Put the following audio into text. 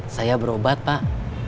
saya berobat pak